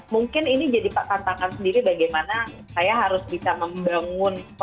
mungkin ini jadi tantangan sendiri bagaimana saya harus bisa membangun suasana itu gitu